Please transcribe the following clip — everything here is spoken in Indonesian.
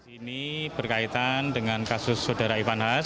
ini berkaitan dengan kasus saudara ivan has